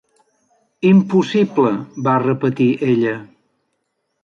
"Impossible", va repetir ella.